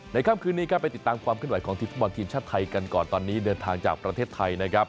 ในค่ำคืนนี้ติดตามความขึ่นไหวของททยศไทยกันก่อนตอนนี้เดินทางจากประเทศไทย